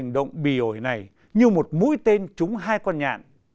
đội này như một mũi tên trúng hai con nhạn